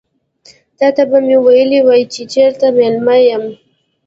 تاته به مې ويلي وي چې چيرته مېلمه یم.